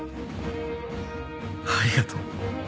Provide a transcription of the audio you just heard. ありがとう。